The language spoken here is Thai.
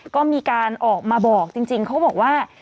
ก็มีการออกมาบอกจริงเขาบอกว่า